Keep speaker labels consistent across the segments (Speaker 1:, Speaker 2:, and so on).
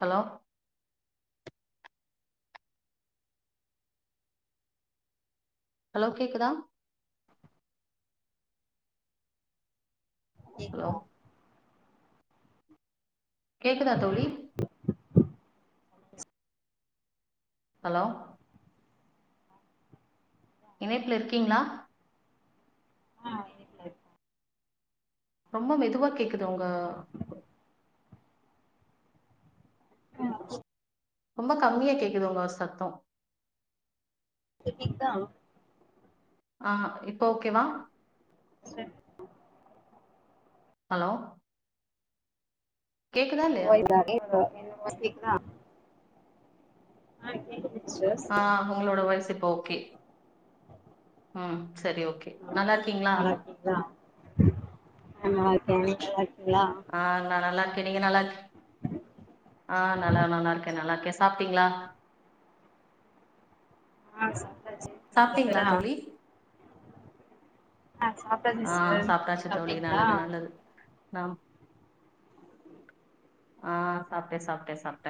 Speaker 1: Hello hello கேக்குதா hello
Speaker 2: கேக்தா
Speaker 1: கேக்குதா தோழி ஹலோ இணைப்புல இருக்கீங்களா ரொம்ப மெதுவா கேக்குது உங்க ரொம்ப கம்மியா கேக்குது உங்க சத்தோ
Speaker 2: ப கேக்தா
Speaker 1: ஆ இப்போ ஓகேவா
Speaker 2: ச
Speaker 1: ஹலோ
Speaker 2: [inaudible]
Speaker 1: கேக்குதா இல்லையா
Speaker 2: [unintelligible] கேக்குதா ஆ கேக்குது
Speaker 1: ஆ
Speaker 2: சிஸ்டர்
Speaker 1: உங்களோட வாய்ஸ் இப்போ கே ஆ சரி ஓகே நல்லா இருக்கீங்களா
Speaker 2: நல்லா இருக்கீங்களா ஆ நல்லா இருக்கே நீங்க நல்லா இருக்கீங்களா
Speaker 1: ஆ நா நல்லா கே நீங்க நல்லா ஆ நல்லா நல்லா இருக்கே நல்லாருக்கே சாப்ட்டீங்ளா
Speaker 2: ஆ ச
Speaker 1: சாப்ட்டீங்ளா தோழி
Speaker 2: ஆ சாப்டாச்சு
Speaker 1: ஆ
Speaker 2: சிஸ்டர் நீங்க சாப்ட்டீங்ளா
Speaker 1: நம் ஆ சாப்ட்டே சாப்ட்டே சாப்ட்ட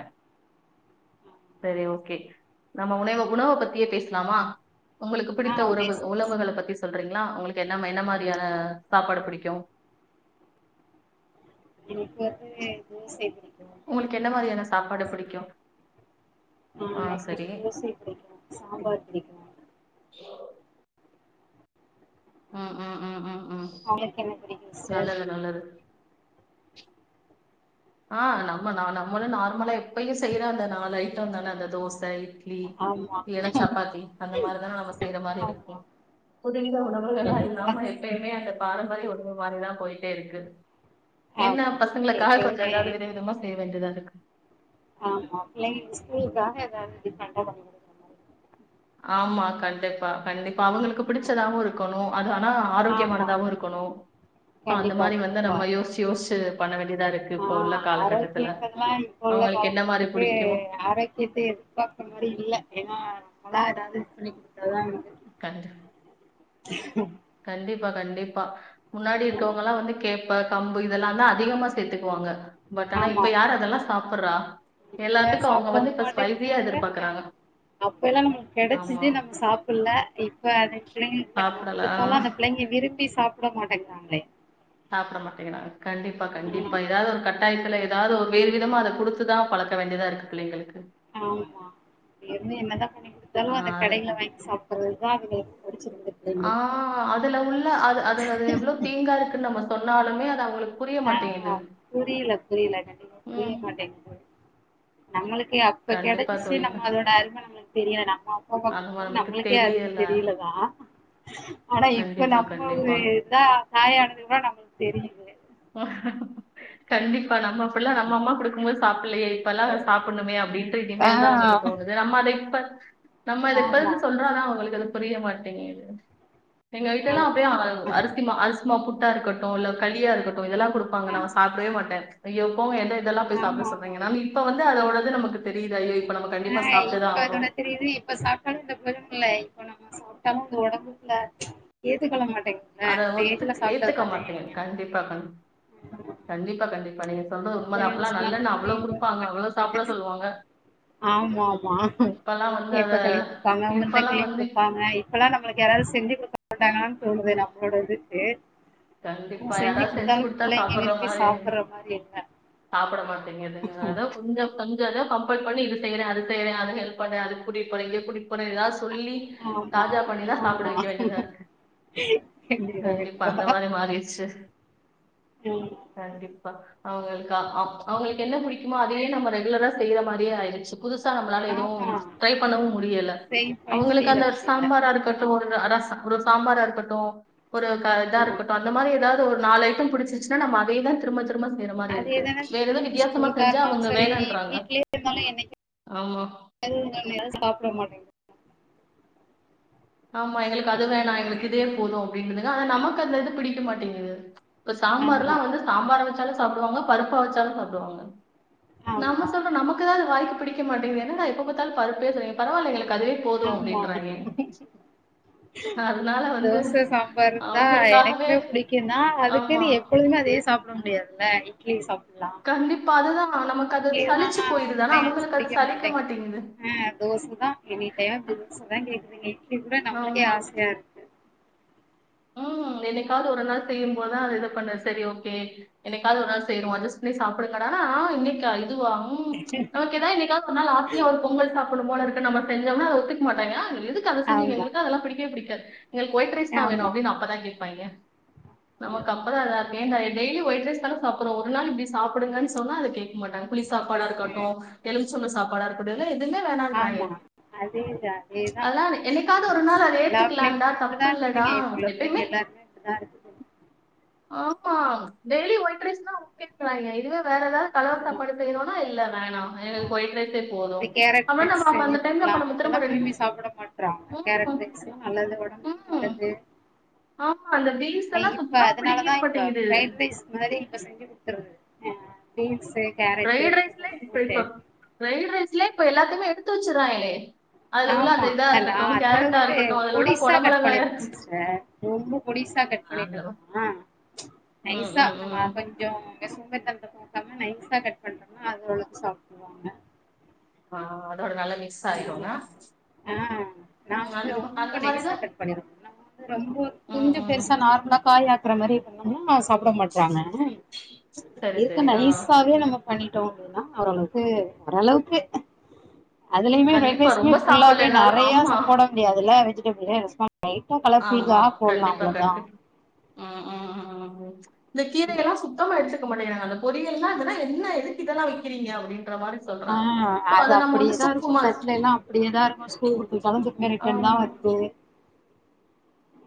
Speaker 1: செரி ஓகே நம்ம உணவு உணவு பத்தியே பேசலாமா உங்களுக்கு பிடித்த
Speaker 2: ஆ
Speaker 1: உறவு
Speaker 2: டேஸ்ட்
Speaker 1: உணவுகள பத்தி சொல்றீங்ளா உங்களுக்கு என்ன ம என்ன மா ஆ சாப்பாடு புடிக்கு
Speaker 2: எனக்கு வந்து தோசை பிடிக்கும்
Speaker 1: உங்களுக்கு என்ன மாரியான சாப்பாடு புடிக் க்கியோ
Speaker 2: ஆ எனக்கு தோசை புடிக்கு, சாம்பார் புடிக்கு
Speaker 1: ம், ம், ம், ம் ம்
Speaker 2: உங்களுக்கு என்ன புடிக்கு சிஸ்டர்
Speaker 1: நல்லது நல்லது ஆ நம்ம நா நம்மளு நார்மலா எப்பயு செய்யுற அந்த நாலு ஐட்டந்தான அந்த தோச, இட் லி
Speaker 2: ஆமா
Speaker 1: இல்லனா சப்பாத்தி அந்த மாரிதான நம்ம செய்ற மாரி இருக்கு
Speaker 2: ஆமா
Speaker 1: புதுவித
Speaker 2: ஆமா
Speaker 1: உணவுகலா
Speaker 2: கண்டிப்பா
Speaker 1: இல்லாம எப்பயுமே அந்த பாரம்பரிய உணவு மாரிதா போயிட்டே இருக்கு என்ன
Speaker 2: ஆமா
Speaker 1: பசங்களுக்காக கொஞ்சோ ஏதாவது வித
Speaker 2: எப்பொழுதுமே
Speaker 1: விதமா செய்ய வேண்டியதாருக் கு
Speaker 2: ஆமா பிள்ளைங்க ஸ்கூலுக்காக ஏதாவது டிஃபரெண்டா பண்ணி குடுக்ற மாரி
Speaker 1: ஆமா கண்டிப்பா, கண்டிப் இப்ப அவங்களுக்கு புடிச்சதாவு
Speaker 2: ஆ
Speaker 1: இருக்கணு அது ஆனா
Speaker 2: ஆமா
Speaker 1: ஆரோக்கியமானதாவு இருக்கணு சோ அந்த
Speaker 2: கண்டிப்பா
Speaker 1: மாரி வந்து
Speaker 2: கண்டிப்பா
Speaker 1: நம்ம யோசிச்சு யோசிச்சு பண்ண வேண்டிய
Speaker 2: ஆ ஆரோக்கியங்கிறதெல்லா இப்ப உள்ள
Speaker 1: அவங்களுக்கு என்ன மாதிரி
Speaker 2: காலகட்டத்துக்கு
Speaker 1: பிடிக்குமோ
Speaker 2: ஆரோக்கியத்த எதிர்பாக்கற மாரி இல்ல ஏன்னா நம்மளா ஏதாவது சொல்லி குடுத்தாதா உண்டு
Speaker 1: கண்டிப் கண்டிப்பா கண்டிப்பா முன்னாடி
Speaker 2: ம்
Speaker 1: இருக்கவங்கல்லா வந்து கேப்ப கம்பு இதெல்லாதா அதிகமா சேத்துக்குவாங்க
Speaker 2: ஆமா ஆமா ஆ இப்ப
Speaker 1: எல்லாத்துக்கும் அவங்க
Speaker 2: சாப்டவு
Speaker 1: வந்து இப்ப ஸ்பைசியா
Speaker 2: மாட்டேங்கிறாங்க
Speaker 1: எதிர்பார்க்கறாங்க
Speaker 2: அப்ப எல்லா நம்மளுக்கு
Speaker 1: ஆமா
Speaker 2: கெடைச்சிச்சி நம்ம சாப்ட்ல்ல இப்ப அது பிள்ளைங்களுக்கு நம்ம
Speaker 1: சாப்பிடல
Speaker 2: குடுத்
Speaker 1: ஆ,
Speaker 2: அதெல்லா அந்த பிள்ளைங்க விரும்பி சாப்ட மாட்டேங்கிறாங் களே
Speaker 1: சாப்ட மாட்டேங்கிறாங்க கண்டிப்பா கண்டிப்பா
Speaker 2: ம்
Speaker 1: ஏதாவது ஒரு கட்டாயத்துல ஏதாவது ஒரு வேறு விதமா அத குடுத்துதா பழக்க வேண்டியதா இருக்கு பிள்ளைங்களுக்கு
Speaker 2: ஆமா இப்டி இருந்தா என்னதா வாங்கி
Speaker 1: ஆ
Speaker 2: குடுத்தாலு அந்த
Speaker 1: அது
Speaker 2: கடையில வாங்கி சாப்ட்றது அதா அவுங்களுக்கு
Speaker 1: ஆ அதுல உள்ள அது அது அது எவ்ளோ தேங்கா இருக்குன்னு நம்ம சொன்னாலுமே அது அவுங்களுக்கு
Speaker 2: ஆ புரியல புரியல கண்டிப்பா
Speaker 1: ம்
Speaker 2: புரிய மாட்டேங்கிது நம்மளுக் அப்ப
Speaker 1: கண்டிப்பா
Speaker 2: கிடைச்சிச்சி
Speaker 1: தோழி
Speaker 2: நம்ம அதோட அருமை நம்மளுக்கு தெரியல நம்ம
Speaker 1: அதுமா
Speaker 2: க்கும்போது
Speaker 1: நமக்கு
Speaker 2: நம்மளுக்கே அருமை
Speaker 1: தெரியல
Speaker 2: தெரியலதா ஆனா இப்ப
Speaker 1: கண்டிப்பா
Speaker 2: நம்ம ஒரு
Speaker 1: கண்டிப்பா
Speaker 2: இதா தாயானத்துக்க ப்பறோ நம்மளுக்கு தெரியுது
Speaker 1: கண்டிப்பா நம்ம அப்பல்லா நம்ம அம்மா குடுக்கும் போது சாப்புட்லயே இப்பல்லா சப்புட்ணுமே அப் டின்ட்டு
Speaker 2: ஆ
Speaker 1: இனிமேல்தா நமக்கு தோணுது நம்ம அத இப்ப ப நம்ம அத இப்ப
Speaker 2: ஆமா
Speaker 1: எதுக்கு சொல்றோனா அவங்களுக்கு அது புரிய மாட்டீங்க எங்க வீட்லல்லாம்
Speaker 2: ஆமா
Speaker 1: அப்டியே
Speaker 2: ஆமா
Speaker 1: அரிசிமா அரிசி உப்மா புட்டா இருக்கட்டும் இல்ல களியா இருக்கட் இதெல்லா கொடுப்பாங்க
Speaker 2: ஆ
Speaker 1: நாம சாப்டவே மாட்டே ஐயோ போங்க என்ட்ட இதெல்லாம் போய் சாப்ட
Speaker 2: ஆமா ஆமா
Speaker 1: சொல்றீங்க
Speaker 2: ஆமா
Speaker 1: இப்ப வந்து அதோட நமக்கு தெரியுது ஐயோ இப்ப நம்ம
Speaker 2: ஆ
Speaker 1: கண்டிப்பா சாப்பிட்டுதான்
Speaker 2: இப்ப இதோட
Speaker 1: ஆகணும்
Speaker 2: தெரியுது இப்ப சாப்டோன இத பாருங்களே இப்ப நம்ம சாப்பிட்டாலு இந்த உடம்புல ஏத்துக் கொள்ள மாட்
Speaker 1: அத ஒத்து ஏத்துக்க மாட்டேங்க கண்டிப்பா கண் கண்டிப்பா கண்டிப்பா நீங்க சொல்றது உண்மைதான் அப்பெல்லாம் நல்லெண்ணெய் அவ்வளவு கொடுப்பாங்க அவ்வளவு சாப்பிட சொல்லுவாங்க
Speaker 2: ஆமா ஆமா
Speaker 1: இப்பெல்லாம் வந்து அத
Speaker 2: கேப்பகளி குடுப்பாங்க
Speaker 1: இப்பெல்லாம்
Speaker 2: உளுந்தங்களி
Speaker 1: வந்து
Speaker 2: குடுப்பாங்க இப்பல்லாம் நம்ம யாராவது செஞ்சுடுக்க டாங்களானு தோணுது நம்மளோட இதுக்கு நம்ம
Speaker 1: கண்டிப்பா யாராவது செஞ்சு
Speaker 2: குடுத்தாலு
Speaker 1: குடுத்து தா
Speaker 2: பிள்ளைங்க
Speaker 1: சாப்புட்ற
Speaker 2: விரும்பி
Speaker 1: மாரி
Speaker 2: சாப்புட்ற மாரி இல்ல
Speaker 1: சாப்ட மாட்டேங்குது அதா கொஞ்சம் கொஞ்ச இத கம்பெல் பண்ணி இது செய்றே அது செய்றே அது ஹெல்ப் பண்ணு அதுக்கு கூட்டிட்டு போற இங்க போறதா எத சொல்லி
Speaker 2: ஆமா
Speaker 1: தாஜா பண்ணிலா சாப்பிட
Speaker 2: ஆமா
Speaker 1: வைக்க வேண்டியதா
Speaker 2: கண்டிப்பா
Speaker 1: அந்த
Speaker 2: கண்டிப்பா
Speaker 1: மாரி மாறிடுச்சு
Speaker 2: ம்
Speaker 1: கண்டிப்பா அவங்கக்கா அவங்களுக்கு என்ன புடிக்குமோ அதுவே நம்ம ரெகுலரா செய்யற மாரியே ஆயிடுச்சு புதுசா நம்மளால எதுவும்
Speaker 2: ஆமா
Speaker 1: ட்ரை பண்ணவும் முடியல
Speaker 2: சேவ் பண்ண
Speaker 1: அவங்களுக்கு
Speaker 2: முடியல
Speaker 1: அந்த
Speaker 2: முடியல
Speaker 1: சாம்பாரா இருக்கட்டும் அதா அ ஒரு சாம்பாரா இருக்கட்டும் ஒரு க இதா
Speaker 2: ஆமா
Speaker 1: இருக் ஏதாவது ஒரு நால ஐட்டம் புடிச்சிருசினா நம்ம அதே தான் திரும்ப திரும்ப செய்யற மாரி இருக்கு
Speaker 2: அதேதானே
Speaker 1: வேற
Speaker 2: திரும்ப
Speaker 1: எதுவு
Speaker 2: திரும்ப
Speaker 1: வித்தியாசமா
Speaker 2: ஸ்கூலுக்கா
Speaker 1: செஞ்சா
Speaker 2: இருந்தாலும்
Speaker 1: அவங்க
Speaker 2: சரி
Speaker 1: வேணான்றாங்க
Speaker 2: வீடலயே இருந்தாலும் என்னைக்கா
Speaker 1: ஆமா
Speaker 2: ஒ எவும் சாப்பிட மாட்டேங்க
Speaker 1: ஆமா எங்களுக்கு அது வேணா
Speaker 2: பண்றது
Speaker 1: நான் எங்களுக்கு இதேவே போதும் அப்படின்றுதுங்க ஆன நமக்கு அந்த இது பிடிக்க மாட்டேங்குது இப்ப
Speaker 2: ஆமா
Speaker 1: சாம்பார்லாம் வந்து சாம்பாரை வச்சு [unintelligible] சாப்பிடுவாங்க பருப்பா வச்சாலும் சாப்படுவாங்க நம்ம
Speaker 2: ஆமா
Speaker 1: சொல்றோம் நமக்குதான் அது வாய்ப் பிடிக்க மாட்டீங்கன்னான் எப்ப பத்தாலு பருப்பே செய பரவால எங்களுக்கு அதுவே போதும் அப்படின்றாங்க அதனால வந்து
Speaker 2: தோசை சாப்பறது தா
Speaker 1: அவங்களுக்காகவே
Speaker 2: எனக்குமே பிடிக்குன்னா
Speaker 1: ஆமா
Speaker 2: அதுக்குன் எப்பொழுதுமே அதையே சாப்பிட முடியாதுல்ல இட்லி சா
Speaker 1: கண்டிப்பா அதுதான் நமக்கு அது
Speaker 2: இப்தியேதான்
Speaker 1: சலிச்சு
Speaker 2: [unintelligible]
Speaker 1: போயிருது ஆனா அவங்களுக்கு அது
Speaker 2: பிடிக்க
Speaker 1: சலிக்க
Speaker 2: மாட்டேங்குது ஆ தோசைதான் எனிடைம் [unintelligible] கேக்குதுங்க இப்ப நம்பளுக்கே
Speaker 1: ஆமா
Speaker 2: ஆசையா இருக்கு
Speaker 1: ம் என்னிக்காவது ஒரு நாள் செய்யும்போதுதான் அதது இது பண்ண சரி ஓகே என்னிக்காவது ஒரு நாள் செய்றோ அஜஸ்ட் பண்ணி சாப்பிடுங்கடா இன்னிக்கா அதுவா உ நமக்கு ஏதா என்னிக்காவது ஒரு நாள் ஆசையா வந்து பொங்கல் சாப்படுனும் போல இருக் நம்ம செஞ்சோனா அத ஒத்துக்க மாட்டாங்க எதுக்கு அத செஞ்சிங்க
Speaker 2: ஆமா
Speaker 1: எங்குளுக்களா அதெல்லா பிடிக்கவே பிடிக்காது எங்குளுக்கு ஒயிட் ரைஸ்தா வேணு
Speaker 2: ஆமா
Speaker 1: டீன் அப்பதா கேப் ப்பாயிங்க நமக்கு
Speaker 2: ஆமா
Speaker 1: அப்பதா அத [unintelligible] டெய்லி ஒயிட்ரைஸ்தான சாப்பறோம் ஒரு நாள் இப்பிடி சாப்பிடுங்க சொன்னா அத கேக்க மாட்டாங்க புளி சாப்பாடா இருக்கட்டோ எலும் ச்சம் சாப்பாட இருக்கட்டு [unintelligible] செஞ்சா வேணாங்கறங்க
Speaker 2: ஆமா அதேதான் அதேதான்
Speaker 1: அதான் அல்லா எனிக்காவுது
Speaker 2: ம்,
Speaker 1: ஒரு நாள் அத
Speaker 2: எல்லா
Speaker 1: ஏத்துக்கலான்டா
Speaker 2: பிள்ளைங்களுமே
Speaker 1: தப்பு
Speaker 2: இப்படிதான்
Speaker 1: இல்லடா
Speaker 2: இருக்குதுங்க இப்ப உள்ள
Speaker 1: எப்பயுமே
Speaker 2: பிள்ளைங்க எல்லாருமே இப்டிதா இருக்குதுங்
Speaker 1: ஆமா டெய்லி ஒயிட்ரைஸ்தா அவுங் கேக்கிறாயிங்க இதுவே வேற எதாவ கலர்
Speaker 2: ஆமா.
Speaker 1: சாப்பாடு செய்ரோன்னா இல்ல [unintelligible]
Speaker 2: இது
Speaker 1: அப்புறம்
Speaker 2: கேரட்ரைஸ்
Speaker 1: நம்ம அப்ப
Speaker 2: செஞ்சு
Speaker 1: அந்த டைம்ல
Speaker 2: குடுக்குலா
Speaker 1: அப்ப நம்ம திரும்ப
Speaker 2: அதெல்லாம்
Speaker 1: ரெண்டு
Speaker 2: விரும்பி சாப்புட மாட்டறாங்க கேரட்டு
Speaker 1: ம்
Speaker 2: பீன்ஸ்சுல்லா நல்லது ஒடம்புக்கு
Speaker 1: ம்
Speaker 2: நல்லது
Speaker 1: ஆமா அந்த பீன்ஸ் எல்லாம்
Speaker 2: இப்ப
Speaker 1: சுத்தமா
Speaker 2: அதனாலதா
Speaker 1: பிடிக்கவே
Speaker 2: இப்ப
Speaker 1: மாட்டேங்குது
Speaker 2: ஃபிரைட் ரைஸ் மாரி இப்ப செஞ்சு குடுக்கற அ பீன்ஸு கேரட்டு
Speaker 1: ஃப்ரைட் ரைஸ்லா
Speaker 2: போட்டு
Speaker 1: எப்புடிப்ப ஃப்ரைட் ரைஸ் லே இப்ப எல்லாத்தைமே எடுத்து வெச்சுறாங்களே
Speaker 2: ஆமா அனா அந்தளவுக்கு
Speaker 1: இருக்கட்டும் அதுல உள்ள
Speaker 2: பொடிசா கட்
Speaker 1: குடமிளகாயா
Speaker 2: பண்ணிறனு சிஸ்டர் ரொம்ப பொடிசா கட்
Speaker 1: இருக்கட்டும்
Speaker 2: பண்ணிட்டம்னா
Speaker 1: ம்
Speaker 2: நைஸா
Speaker 1: ம்
Speaker 2: நம்ம
Speaker 1: ம்
Speaker 2: கொஞ்சோ சோம்பறித்தனத்த பாக்காம நைஸா கட் பண்ட்டம்னா அது ஓரளவுக் சாப்டுவாங்க
Speaker 1: ஆ அதோட நல்ல
Speaker 2: ஆ நா வந்து
Speaker 1: அந்த ம-
Speaker 2: ரொம்ப
Speaker 1: அந்த
Speaker 2: நைசா
Speaker 1: மாதிரிதான்
Speaker 2: கட் பண்ணிருவோ நா வந்து
Speaker 1: ம்
Speaker 2: கொஞ்ச
Speaker 1: ம்
Speaker 2: பெருசா நார்மலா காய வெட்ற மாரி பண்ணம்னா சாப்ட மாட்டாங்க
Speaker 1: சரி
Speaker 2: இருக்க
Speaker 1: சரி ஆ
Speaker 2: நைசாவே நம்ம பண்ணிட்டோ அப்டின்னா ஒரளவுக்கு ஓரளவுக்கு அதுலயுமே ஃப்ரை
Speaker 1: கண்டிப்பா
Speaker 2: ரைஸ்மே
Speaker 1: ரொம்ப
Speaker 2: ஃபுல்லாவே
Speaker 1: சாப்பிடலனாலும்
Speaker 2: நெறையா
Speaker 1: ஆமா.
Speaker 2: சப் போட முடியாதுல வெஜ் இதுயே ரெஸ்பான் லைட்டா
Speaker 1: ஆமா.
Speaker 2: கலர்ஃபுல்காக
Speaker 1: கண்டிப்பா,
Speaker 2: அவ்ளோதா
Speaker 1: கண்டிப்பா. ம் ம் ம் ம் இந்த கீரை எல்லா சுத்தமா எடுத்துக் க்கு மாட்டேங்குறாங்க அந்த பொரியல்லா இதுலா என்ன எதுக்கு இதலா வக்கிறீங்க அப்டின்
Speaker 2: ஆ அத அப்புடியேதா
Speaker 1: சூப்பு
Speaker 2: இருக்கு
Speaker 1: மாரி
Speaker 2: தட்லே எல்லா அப்புடியேதா இருக்கு ஸ்கூல் குடுத்துட்டாலு அது அப்டே ரிட்டன் தா
Speaker 1: ஆமா.
Speaker 2: வர்து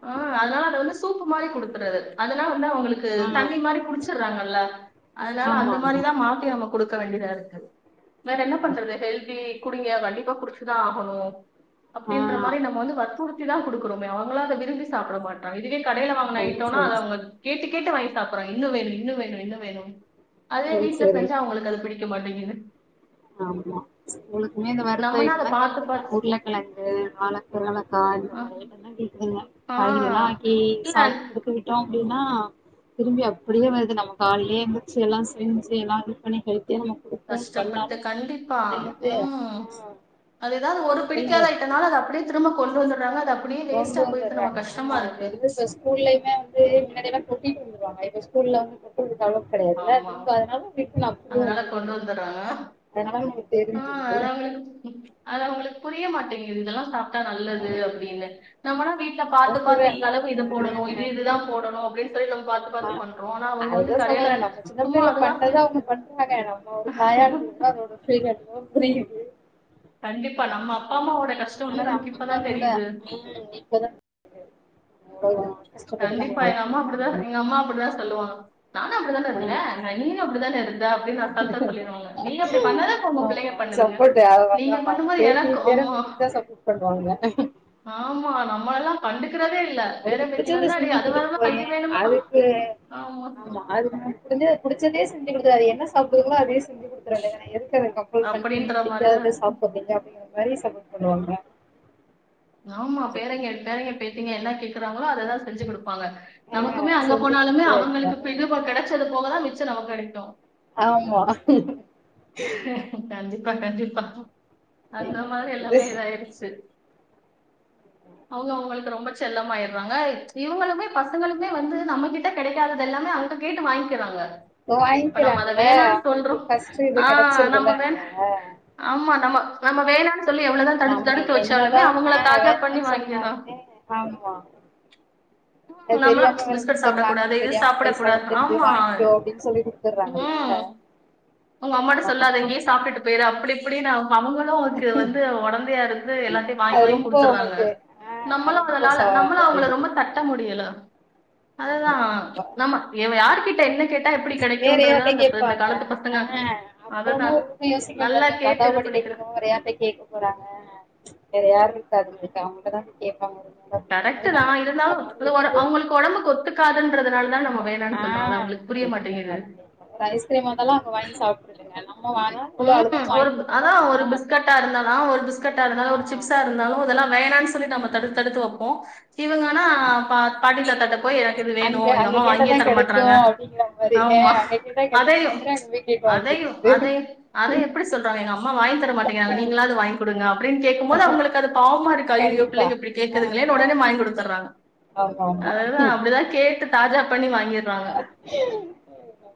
Speaker 1: ஆ அதனால அத ஒன்னு சூப்பு மாரி குடுத்துறது அதனா வ அவங்களுக்கு
Speaker 2: ஆ
Speaker 1: தண்ணி மாரி குடிச்சடுறாங்கல்ல அதனால
Speaker 2: ஆமா
Speaker 1: அந்த
Speaker 2: ஆமா
Speaker 1: மாரிதான் மாட் [unintelligible] குடுக்க வேண்டியதாருக்கு வேற என்ன பண்றது ஹெல்தி குடிங்க கண்டிப்பா குடிச்சுதா ஆகணு
Speaker 2: ஆ
Speaker 1: அப்படின்ற மாரி நம்ம வந்து வற்புறுத் தான் கொடுக்குறோம அவங்களா அத வித் ந்து சாப்புட மாட்டா இதுவே கடையில வாங்கன்னோ
Speaker 2: அது
Speaker 1: ஐட்டோனா
Speaker 2: சரி
Speaker 1: அதை
Speaker 2: சரி
Speaker 1: அவங்க கேட்டுக் கேட்டு வாங்கி சாப்படுறாங்க இன்னு வேணு இன்னு வேணு இன்னு வேணுன் அதே
Speaker 2: அது
Speaker 1: வீட்ல
Speaker 2: சரி
Speaker 1: செஞ்சா அவங்களுக்கு அது பிடி க்க மாட்டேங்குது
Speaker 2: ஆமா உங்களுக்குமே
Speaker 1: நம்மனா அத பாத்து
Speaker 2: [unintelligible]
Speaker 1: பாத்து
Speaker 2: உருளைக்கிழங்கு வால வாலக்கா ஆ இந்த
Speaker 1: அ
Speaker 2: மழையிட்ட தா கேக்குன்
Speaker 1: ஆ
Speaker 2: காய்கறில்லா ஆக்கி
Speaker 1: இல்ல
Speaker 2: சாப்படுத்து விட்டோம் அப்டின்னா திரும்பி அப்டியே வருது நம்ம காலையே எந்துச்சு எல்லா செஞ்சு எல்லா இது பண்ணி ஹெல்ப் [inaudible]
Speaker 1: கஷ்டப்பட்டு
Speaker 2: பண்ணாலு
Speaker 1: கண்டிப்பா
Speaker 2: அது வந்து
Speaker 1: ம்
Speaker 2: ஆ
Speaker 1: அது எதாவது ஒரு
Speaker 2: ரிட்டன்
Speaker 1: பிடிக்காத
Speaker 2: வருது
Speaker 1: அயிட்டனாலு அது அப்டியே திரும்ப கொண்டு வந்தறாங்க
Speaker 2: கொண்டு வந்தடுறாங்க ஆமா அது வந்து இப்ப ஸ்கூல்லயுமே வந்து முன்னாடியல்லா கொட்டிட்டு வந்துருவாங்க இப்ப ஸ்கூல வந்து கொட்டு
Speaker 1: ஆமா
Speaker 2: அப்டியே
Speaker 1: அதனால
Speaker 2: வந்துருது
Speaker 1: கொண்டு வந்தறாங்க
Speaker 2: அதனால நமக்கு
Speaker 1: ஆ
Speaker 2: தெரிஞ்சிருது
Speaker 1: அவுங்களுக்கு அது அவங்களுக்கு புரியமாட் ந்தெல்லா சாப் தா நல்லது
Speaker 2: ம்
Speaker 1: அப்டினு நம்மளா வீட் கீழ
Speaker 2: அதா
Speaker 1: பாத்து
Speaker 2: சொல்றே
Speaker 1: பாத்து இந்த அளவு இது போடணு இது
Speaker 2: நம்ம
Speaker 1: இதுதா போடணு அப்டின் சொல்லி நம் பாத்து பாத்து பண்றோ ஆனா அவுங்க வந்து கடைல
Speaker 2: சின்னப்பிள்ளைல பண்ணது அவுங்க பண்றாங்க நம்ம ஒரு தாயா இருந்து அதோட ஃபீல் என்னவோ புரியுது
Speaker 1: கண்டிப் இப்ப நம்ம அப்பா அம்மாவோட கஷ்ட
Speaker 2: ஆனா
Speaker 1: வந்து நமக்கு இப்பதா
Speaker 2: நம்மளோட
Speaker 1: தெரியுது
Speaker 2: ம் இப்பதா [unintelligible] நம்மள
Speaker 1: கண்டிப்பா எங்க அம்மா அப்புடிதா
Speaker 2: வளர்த்துருப்பாங்க
Speaker 1: எங்க அம்மா அப்புடிதா சொல்லுவாங்க நா நானு அப்டித்தான இருந்த
Speaker 2: ஆமா
Speaker 1: நா நீனு அப்புடித்தான இருந் தா அப்டின் அசால்ட்டா சொல்லிருவாங்க நீங்க அப்டி பண்ணதப்போ ஒ பிள்ளைக
Speaker 2: ஆமா
Speaker 1: பண்ணுதுங்க
Speaker 2: சப்போர்ட்
Speaker 1: நீங்க பண்ணும்போது
Speaker 2: பேத்தி
Speaker 1: எனக்கு அம்
Speaker 2: பேரன்
Speaker 1: மா
Speaker 2: பேத்திக்கு தான் சப்போர்ட் பண்ணுவாங்க
Speaker 1: ஆமா நம்மளெல்லா ஹண்டு க்குறதே இல்ல பேர பேத்தி
Speaker 2: ச்செத செஞ்சு குடுத்துட் போயே அதுக்கு ஆமா அதுவு முடிஞ்சத புடிச்சதே செஞ்சு குடுக்குறாரு என்ன சாப்டுவோங்களோ அது செஞ்சு குடுக்றாங்க ஏனா எதுக்கு அத கம்பெல் பண்ணீ
Speaker 1: அப்படின்ற மாதிரிதான் இருக்கு.
Speaker 2: பிடிக்காதத சாப்பிட்றீங்க அப்டிங்கற மாரி ச இது ஒன்னு
Speaker 1: ஆமா பேரெங்க பேரெங்க பேத்திங்க எல்லா கேட் போனா அததா செஞ்சு குடுப்பாங்க
Speaker 2: ஆ
Speaker 1: நமக்குமே அங்க
Speaker 2: செஞ்சு
Speaker 1: போனாலுமே
Speaker 2: குடுத்துற
Speaker 1: அவங்களுக்கு
Speaker 2: வேண்டியதுதானே
Speaker 1: பிந்துபோ கெடச்சது போகதா மிச்ச எது நமக் கெடைக்குதோ
Speaker 2: ஆமா
Speaker 1: கண்டிப் ப்ப கண்டிப்பா அந்த
Speaker 2: என்ன
Speaker 1: மாரி
Speaker 2: பண்றது
Speaker 1: எல்லாமே இதாயிருச்சு அவுங்க அவங்களுக்கு ரொம்ப செல்லமாயிறாங்க இவங்களுமே பசங்களுமே வந்து நம்ம கிட்ட கெடைக்காத தெல்லாமே அவங்ட கேட்டு வாய்ங்க்கிறாங்க
Speaker 2: வாய்ங்கிறாங்களா அவுங்ளுக்கு ஃபஸ்டு
Speaker 1: ஆஹ் நம்ம வேண் ஆமா நம்ம நம்ம வேணான்னு சொல்லி எவ்வளவுதான் தடுத்து
Speaker 2: நம்ம
Speaker 1: தடுத்து வச்சாலுமே
Speaker 2: என்னதா
Speaker 1: அவங்கள
Speaker 2: ஆஹ்
Speaker 1: தாஜா பண்ணி
Speaker 2: வேணான்
Speaker 1: வாங்கிடுறான்
Speaker 2: சொன்னாலுமே ஆமா
Speaker 1: ம்
Speaker 2: அத்
Speaker 1: நம்மளாம்
Speaker 2: தெரியாம வேற
Speaker 1: பிஸ்கட்
Speaker 2: குடுத்தர்றாங்க
Speaker 1: சாப்பிடக்கூடாது இது
Speaker 2: தெரியாம பைசா
Speaker 1: சாப்பிடக்கூடாது
Speaker 2: கொடுத்து நீ போய்
Speaker 1: ஆமா
Speaker 2: வாயிங்கோ அப்டின் சொல்லிட்டு குடுத்தர்றாங்கல்லா
Speaker 1: உ அம்மாட்ட சொல்லாதெங்கே சாப்டுட்டு போயிரு அப் ப்டினௌ அவங்களு அதுக்கு வந்து ஒடந்தையா இருந்து எல்லாத்தியு
Speaker 2: அது
Speaker 1: வாங்கி வாங்கி
Speaker 2: ரொம்ப
Speaker 1: குடுத்துட்றாங்க
Speaker 2: உங்களுக்கு ஆ
Speaker 1: நம்மளு
Speaker 2: ரொம்ப ச
Speaker 1: அதனால நம்மளு அவங்கள
Speaker 2: இதாயிடுது
Speaker 1: ரொம்ப தட்ட முடியல அததா
Speaker 2: ஆமா கண்டிப்பா
Speaker 1: நம்ம இவ்வ யாரு கிட் ல்ல என்ன கேட் டா எப்டி கெடைக்கூன்றத அந்தப் ப இந்த காலத்து பசங்க
Speaker 2: க அப்றொமா
Speaker 1: அதுதான்
Speaker 2: ஒரு ண்மை
Speaker 1: நல்லா
Speaker 2: யோசிக்கந்தா தாத்தாவ
Speaker 1: கேட்டு இது
Speaker 2: பாட்டிட்ட
Speaker 1: பண்ணிக்கிறாங்க
Speaker 2: கேக்காம வேற யார்ட்ட கேக்க போறாங்கா வேற யாருக்கா அதுங்களுக் தா அவங்கள்டதா போய் கேட்பாங்க
Speaker 1: கரெக்ட் தா இருந்தாலு து உட அவுங்குளுக்கு ஒடம்புக்கு ஒத்துக்காதுன் துங்குறதுனால தா ந
Speaker 2: ஆஹ் அது கண்டிப்பா கண்டிப்பா ஒரு ஐஸ்கிரீம் வந்தாலு அங்க வாங்கி சாப் வேணா
Speaker 1: உம் ஒரு அதா ஒரு பிஸ்கட்டா இருந்தால ஒரு பிஸ்கட்டா இருந்தாலு ஒரு
Speaker 2: ஆ
Speaker 1: சிப்ஸா இருந்தாலு அதெல்லா வேணானு சொல்லி நம்ம தடுத்
Speaker 2: ம்
Speaker 1: தடுத்து வப்போ இவங்கனா
Speaker 2: ஆமா
Speaker 1: பா பாட்டி தாத்தாட்ட போய் எனக்கு இது
Speaker 2: அங்க
Speaker 1: வேணும் எங்க
Speaker 2: அங்க
Speaker 1: அம்மா
Speaker 2: கேட்ட
Speaker 1: வாங்கியே
Speaker 2: தா கெடைக்கு
Speaker 1: தரமாட்றாங்க.
Speaker 2: அப்டிங்கிற மாரி ஏ
Speaker 1: ஆமா
Speaker 2: அங்க கேட்டா
Speaker 1: அதையும்
Speaker 2: கெடைக்கூங்கிற அங்க போய் கேட்டு வாய்ங்க்கிறது
Speaker 1: அதூ எப்டி சொல்றங்க எங்க அம்மா வாய்ங் தரமாடெங்கராங்க நீங்களாவது வாய்ங் குடுங்க அப்டினு கேட்குபோது அவங்குளுக்கு அது பாவமா இருக்கு அய்யய்யோ
Speaker 2: கண்டிப்பா
Speaker 1: பிள்ளைங்க இப்டி கேக்குதுங்களேனு
Speaker 2: ஆ
Speaker 1: உடனே வாய்ங்க்கொடுத்தராங்க
Speaker 2: ஆமா ஆமா
Speaker 1: ஆஹ் அதுதா
Speaker 2: என்ன
Speaker 1: அப்டிதா கேட்டு தாஜா பண்ணி வாய்ங் வாங்கீற்றாங்க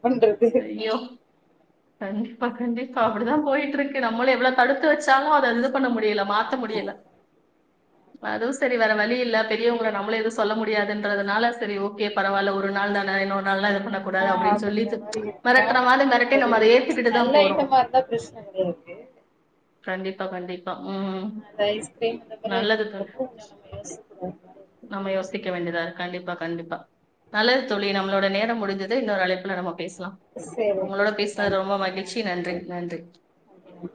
Speaker 2: பண்றது
Speaker 1: ஐயோ கண்டிப்பா கண்டிப் ப்பா அப்டிதா போயிட்ருக்கு நம்மளு எவ்ளோ தடுத்து வச்சாலு அததுது பண்ண முடியில மாத்த
Speaker 2: ஆமா
Speaker 1: முடியில அதுவு சேரி வேற வழியில்ல பெரியவங்கள நம்மளு எதுவு சொல்ல முடியாதுன்றதுனால சேரி ஓக் க்கே பரவால்ல ஒரு நாள் தானே இன்னொரு நாள்லா இது பண்ணக்
Speaker 2: ஆ
Speaker 1: கூடாது அப்டின்
Speaker 2: அப்டிங்கிற
Speaker 1: சொல்லிட்டு ச்
Speaker 2: மாரி இருக்கு
Speaker 1: மிரட்டுற மாதிரி மிரட்டி நம்ம அத ஏத்துக்கிட்டு தா போறோ
Speaker 2: பிரிச்சன கெடையாது
Speaker 1: கண்டிப்பா கண்டிப்பா உம்
Speaker 2: அந்த ஐஸ்கிரீம் இந்த மாரி
Speaker 1: நல்லது தோழி
Speaker 2: ஐட்டம்ன்றப்போ கொஞ்ச நம்ம யோசிக்கற மாரி இருக்கு
Speaker 1: நம்ம யோசிக்க வேண்டியதா இரு கண்டிப்பா கண்டிப்பா நல்லது தோழி நம்ளோட நேரம் முடிஞ்சுது இன்னொரு அழைப்புல நம்ம பேஸ் லா
Speaker 2: சேரி ஓகே
Speaker 1: உங்குளோட
Speaker 2: ஓகே
Speaker 1: பேசுனது
Speaker 2: தேங்க்யூ
Speaker 1: ரொம்ப
Speaker 2: தோழி
Speaker 1: மகிழ்ச்சி நன்றி
Speaker 2: தோழி
Speaker 1: நன்றி
Speaker 2: ஓகே நன்றி